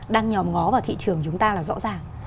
đang nhòm ngó vào thị trường chúng ta là rõ ràng